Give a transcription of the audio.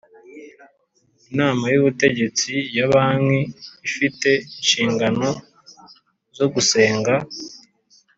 Inama y Ubutegetsi ya banki ifite inshingano zo gusenga